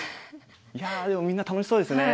いやでもみんな楽しそうですね。